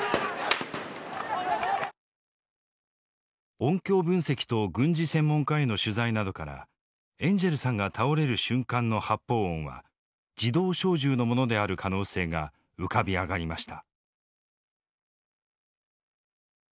音響分析と軍事専門家への取材などからエンジェルさんが倒れる瞬間の発砲音は自動小銃のものである可能性が浮かび上がりました。